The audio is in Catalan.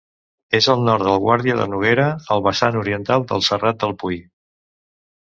És al nord de Guàrdia de Noguera, al vessant oriental del Serrat del Pui.